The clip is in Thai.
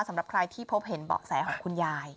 สำหรับใครที่พบเห็นเบาะแสของคุณยาย